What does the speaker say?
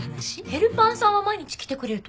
ヘルパーさんは毎日来てくれると思う。